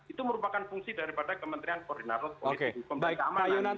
itu merupakan fungsi dari kementerian koordinator komite keamanan